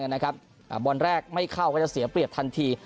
อย่างนั้นนะครับบอลแรกไม่เข้าก็จะเสียเปลี่ยนทันที